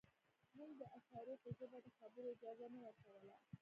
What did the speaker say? موږ د اشارو په ژبه د خبرو اجازه نه ورکوله